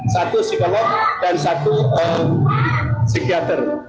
satu psikolog dan satu psikiater